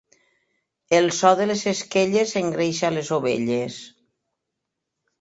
El so de les esquelles engreixa les ovelles.